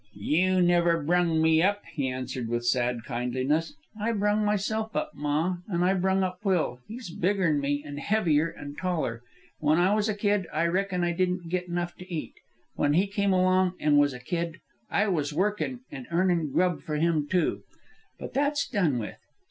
"You never brung me up," he answered with sad kindliness. "I brung myself up, ma, an' I brung up Will. He's bigger'n me, an' heavier, an' taller. When I was a kid, I reckon I didn't git enough to eat. When he come along an' was a kid, I was workin' an' earnin' grub for him too. But that's done with.